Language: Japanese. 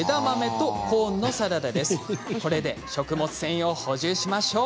これで食物繊維を補充しましょう。